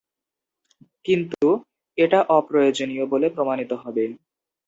কিন্তু, এটা অপ্রয়োজনীয় বলে প্রমাণিত হবে।